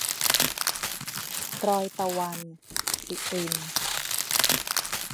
รอยตะวัน - สิริณ